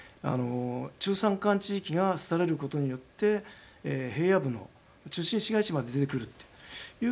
中山間地域が廃れることによって平野部の中心市街地まで出てくるというような事故がですね